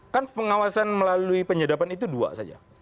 kan pengawasan melalui penyadapan itu dua saja